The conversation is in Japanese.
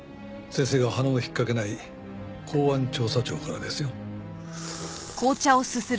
先生がはなも引っかけない公安調査庁からですよ。